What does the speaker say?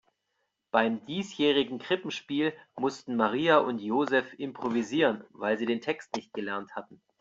Beim diesjährigen Krippenspiel mussten Maria und Joseph improvisieren, weil sie den Text nicht gelernt hatten.